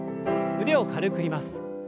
腕を軽く振ります。